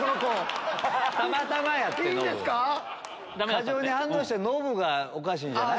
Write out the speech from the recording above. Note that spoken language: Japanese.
過剰に反応したノブがおかしいんじゃない？